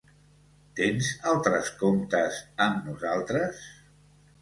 Tens altres comptes amb nosaltres?